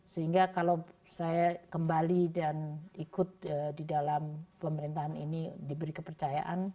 sehingga kalau saya kembali dan ikut di dalam pemerintahan ini diberi kepercayaan